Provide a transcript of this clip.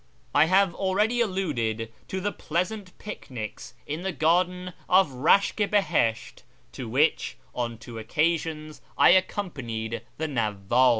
I have already alluded to the pleasant picnics in the garden of Bashk i Bilmlit, to which, on two occasions, I accompanied the Nawwab.